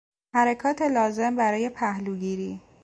حرکات لازم برای پهلوگیری